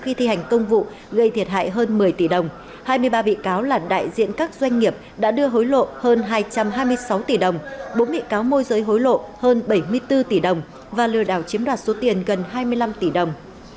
bốn bị cáo môi giới hối lộ hơn bảy mươi bốn tỷ đồng và lừa đảo chiếm đoạt số tiền gần hai mươi năm tỷ đồng